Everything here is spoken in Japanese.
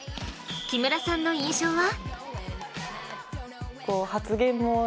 木村さんの印象は？